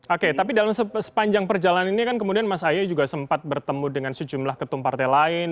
oke tapi dalam sepanjang perjalanan ini kan kemudian mas ahaye juga sempat bertemu dengan sejumlah ketum partai lain